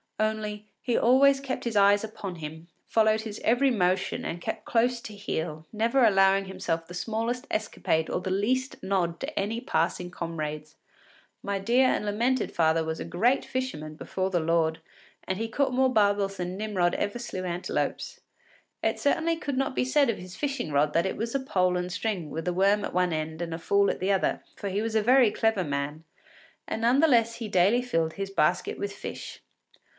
Only, he always kept his eyes upon him, followed his every motion and kept close to heel, never allowing himself the smallest escapade or the least nod to any passing comrades. My dear and lamented father was a great fisherman before the Lord, and he caught more barbels than Nimrod ever slew antelopes. It certainly could not be said of his fishing rod that it was a pole and string with a worm at one end and a fool at the other, for he was a very clever man, and none the less he daily filled his basket with fish.